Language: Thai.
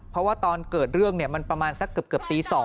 เพราะว่าตอนเกิดเรื่องมันประมาณสักเกือบตี๒